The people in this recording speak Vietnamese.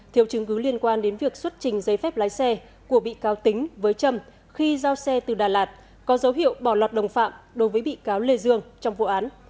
thiếu chứng cứ liên quan đến việc xuất trình giấy phép lái xe của bị cáo tính với trâm khi giao xe từ đà lạt có dấu hiệu bỏ lọt đồng phạm đối với bị cáo lê dương trong vụ án